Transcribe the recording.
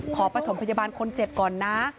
ประถมพยาบาลคนเจ็บก่อนนะ